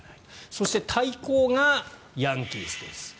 そして、対抗がヤンキースです。